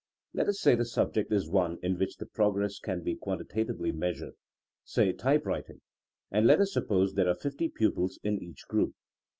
Let us say the subject is one in which the progress can be quantitatively measured, say typewrit ing, and let us suppose there are fifty pupils in each group.